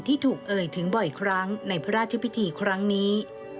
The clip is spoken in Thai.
ที่ถูกเอ่ยถึงบ่อยครั้งในพระราชพิธีครั้งนี้